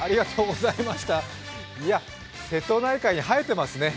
瀬戸内海に映えていますね。